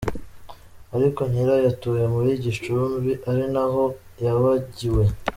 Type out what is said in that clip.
Ariko nyirayo atuye muri Gishubi, ari na ho yabagiwe.